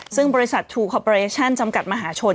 ซึ่งบริษัททูคอปเรชั่นจำกัดมหาชน